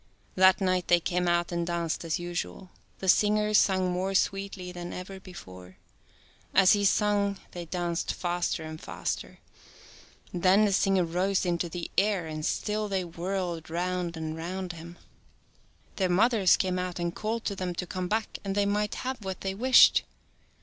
That night they came out and danced as usual. The singer sung more sweetly than ever before. As he sung they danced faster and faster. Then the singer rose into the air and still they whirled round and round him. 82 Their mothers came out and called to them to come back and they might have what they wished.